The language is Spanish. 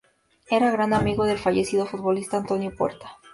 Era un gran amigo del fallecido futbolista Antonio Puerta.